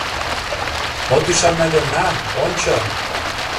От ӱшане гын, на, ончо...